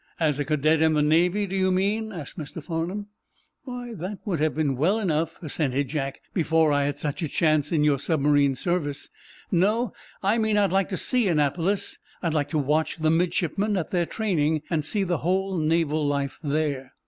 "As a cadet in the Navy, do you mean?" asked Mr. Farnum. "Why, that would have been well enough," assented Jack, "before I had such a chance in your submarine service. No; I mean I'd like to see Annapolis. I'd like to watch the midshipmen at their training, and see the whole naval life there."